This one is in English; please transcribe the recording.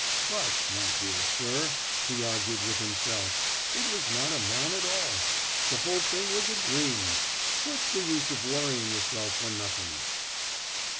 "But, my dear sir!" he argued with himself, "it was not a man at all! the whole thing was a dream! what's the use of worrying yourself for nothing?"